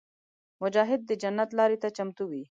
مجاهد د جنت لارې ته چمتو وي.